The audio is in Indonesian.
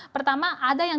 pertama ada yang